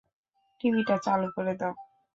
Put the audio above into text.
টিভিটা চালু করে দাও।